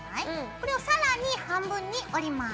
これを更に半分に折ります。